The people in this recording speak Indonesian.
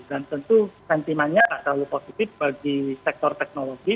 dan tentu sentimanya tidak terlalu positif bagi sektor teknologi